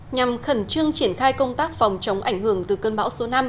nhằm khẩn trương triển khai công tác phòng chống ảnh hưởng từ cơn bão số năm